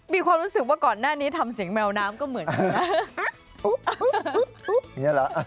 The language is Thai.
มีความรู้สึกว่าก่อนหน้านี้ทำเสียงแมวน้ำก็เหมือนกัน